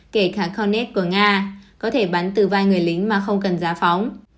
kể cả connet của nga có thể bắn từ vai người lính mà không cần giá phóng